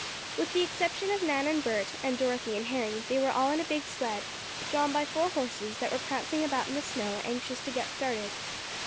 With the exception of Nan and Bert, and Dorothy and Harry, they were all in a big sled, drawn by four horses that were prancing about in the snow, anxious to get started.